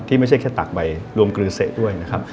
ไม่ใช่แค่ตักใบรวมกลือเศษด้วยนะครับ